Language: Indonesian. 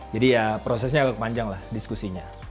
jadi ya prosesnya agak panjang lah diskusinya